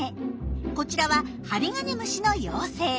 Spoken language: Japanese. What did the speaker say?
こちらはハリガネムシの幼生。